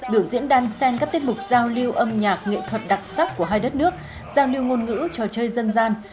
biểu diễn đan sen các tiết mục giao lưu âm nhạc nghệ thuật đặc sắc của hai đất nước giao lưu ngôn ngữ trò chơi dân gian